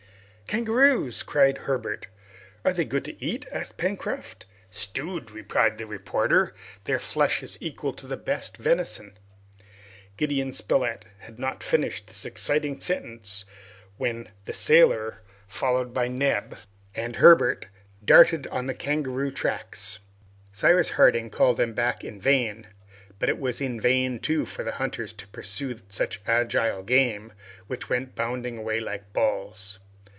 "Kangaroos!" cried Herbert. "Are they good to eat?" asked Pencroft. "Stewed," replied the reporter, "their flesh is equal to the best venison! " Gideon Spilett had not finished this exciting sentence when the sailor, followed by Neb and Herbert, darted on the kangaroos tracks. Cyrus Harding called them back in vain. But it was in vain too for the hunters to pursue such agile game, which went bounding away like balls.